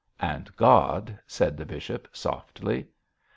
'And God!' said the bishop, softly.